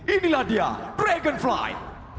inilah dia dragonfly